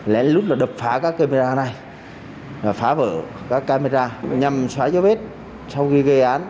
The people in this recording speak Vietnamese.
lẽ lúc là đập phá các camera này phá vỡ các camera nhằm xóa gió bếp sau khi gây án